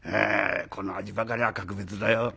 この味ばかりは格別だよ。